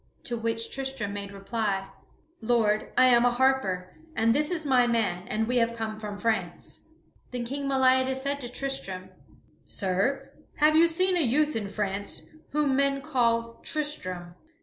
To which Tristram made reply: "Lord, I am a harper, and this is my man, and we have come from France." Then King Meliadus said to Tristram: "Sir, have you seen a youth in France whom men call Tristram?"